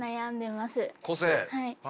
はい。